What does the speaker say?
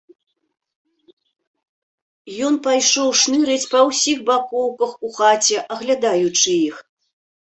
Ён пайшоў шнырыць па ўсіх бакоўках у хаце, аглядаючы іх.